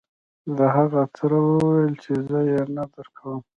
د هغه تره وويل چې زه يې نه درکوم.